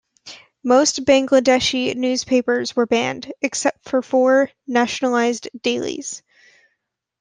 Most Bangladeshi newspapers were banned, except for four nationalised dailies.